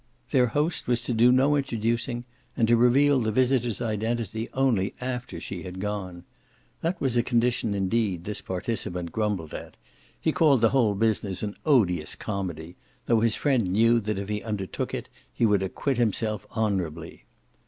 Their host was to do no introducing and to reveal the visitor's identity only after she had gone. That was a condition indeed this participant grumbled at; he called the whole business an odious comedy, though his friend knew that if he undertook it he would acquit himself honourably.